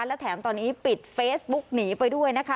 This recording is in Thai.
และแถมตอนนี้ปิดเฟซบุ๊กหนีไปด้วยนะคะ